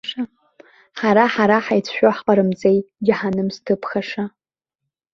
Ҳара-ҳара хаицәшәо ҳҟарымҵеи, џьаҳаным зҭыԥхаша!